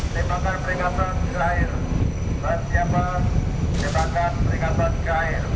pembangunan kompas tv alvan yarizki